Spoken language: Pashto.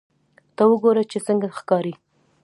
ته وګوره چې څنګه ښکاري